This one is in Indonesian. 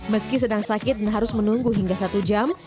meski sedang sakit dan harus menunggu hingga satu jam